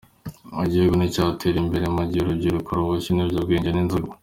Igihugu nticyatera imbere mu gihe urubyiruko ruboshye n’ibiyobyabwenge n’inzoga.